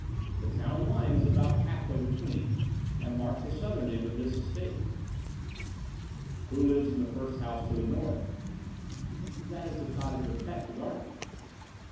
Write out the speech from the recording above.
The town line is about half way between, and marks the southern end of this estate." "Who lives in the first house to the north?" "That is the cottage of Peck, the gardener."